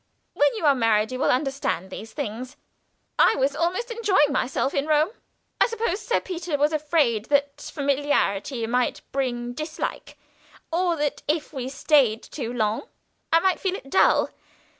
When you are married you will understand these things. I was almost enjoying myself in Rome; I suppose Sir Peter was afraid that familiarity might bring dislike, or that if we stayed too long I might feel it dull.